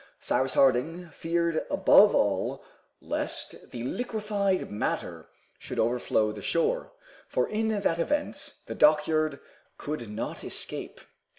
Cyrus Harding feared above all lest the liquefied matter should overflow the shore, for in that event the dockyard could not escape.